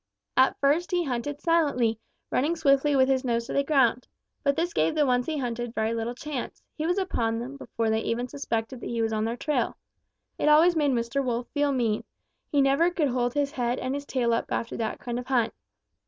"At first he hunted silently, running swiftly with his nose to the ground. But this gave the ones he hunted very little chance; he was upon them before they even suspected that he was on their trail. It always made Mr. Wolf feel mean. He never could hold his head and his tail up after that kind of a hunt.